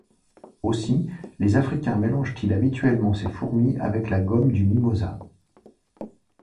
Aussi, les Africains mélangent-ils habituellement ces fourmis avec la gomme du mimosa.